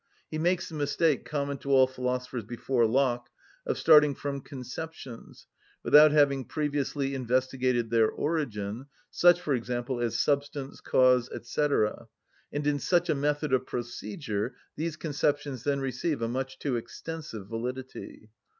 He makes the mistake, common to all philosophers before Locke, of starting from conceptions, without having previously investigated their origin, such, for example, as substance, cause, &c., and in such a method of procedure these conceptions then receive a much too extensive validity.